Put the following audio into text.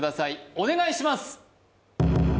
お願いします